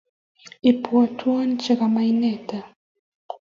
Ipwotwon che ka mwa kanetindet